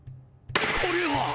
これは！